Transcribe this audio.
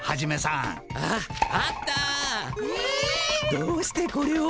どうしてこれを！？